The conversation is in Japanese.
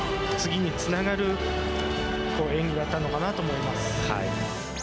次につながる演技だったのかなとも思います。